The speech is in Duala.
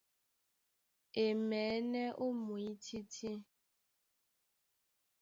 E maɛ̌nɛ́ ó mwǐtítí.